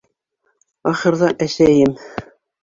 Ахырҙа, әсәйем: